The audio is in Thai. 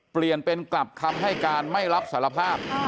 เปลี่ยนเป็นกลับคำให้การไม่รับสารภาพ